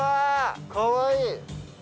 かわいい！